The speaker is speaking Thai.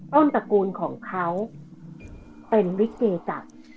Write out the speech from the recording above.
ต้นตระกูลของเขาเป็นลิสเกจ